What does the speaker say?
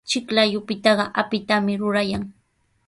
Chiklayupitaqa apitami rurayan.